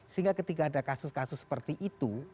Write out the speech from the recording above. sehingga ketika ada kasus kasus seperti itu